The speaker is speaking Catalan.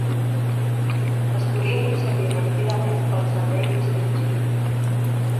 Es podia concedir repetidament pel servei distingit.